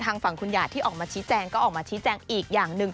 ทางฝั่งคุณหยาดที่ออกมาชี้แจงก็ออกมาชี้แจงอีกอย่างหนึ่ง